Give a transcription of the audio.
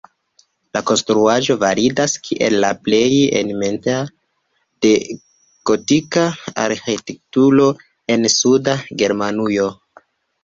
La konstruaĵo validas kiel la plej eminenta de gotika arĥitekturo en suda Germanujo.